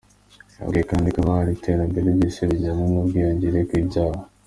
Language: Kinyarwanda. Yabwiye kandi abari aho ati,"Iterambere ry’isi rijyana n’ubwiyongere bw’ibyaha.